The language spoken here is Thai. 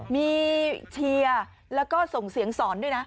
มีเชียร์แล้วก็ส่งเสียงสอนด้วยนะ